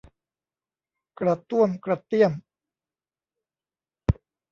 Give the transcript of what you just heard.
กระต้วมกระเตี้ยม